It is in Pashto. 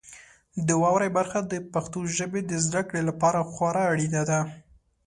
د واورئ برخه د پښتو ژبې د زده کړې لپاره خورا اړینه ده.